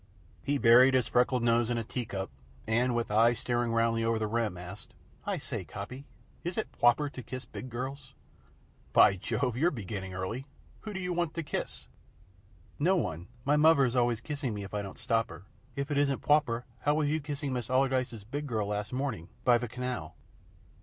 He buried his freckled nose in a tea cup and, with eyes staring roundly over the rim, asked: "I say, Coppy, is it pwoper to kiss big girls?" "By Jove! You're beginning early. Who do you want to kiss?" "No one. My muvver's always kissing me if I don't stop her. If it isn't pwoper, how was you kissing Major Allardyce's big girl last morning, by ve canal?"